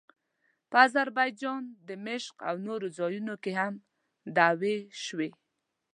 په اذربایجان، دمشق او نورو ځایونو کې هم دعوې شوې.